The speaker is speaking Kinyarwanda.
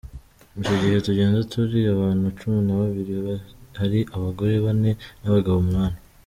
Icyo gihe tugenda turi abantu cumi na babiri, hari abagore bane n’abagabo umunani.